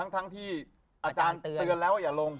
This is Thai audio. ทั้งที่อาจารย์เตือนแล้วว่าอย่าลง